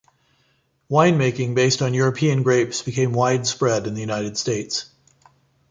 Wine making based on European grapes became widespread in the United States.